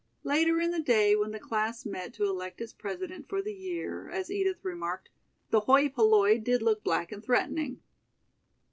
Later in the day when the class met to elect its president for the year, as Edith remarked: "The hoi polloi did look black and threatening."